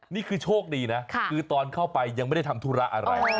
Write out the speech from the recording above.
นี่คือโชคดีนะคือตอนเข้าไปยังไม่ได้ทำธุระอะไร